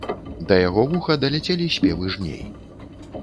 Да яго вуха даляцелі спевы жней.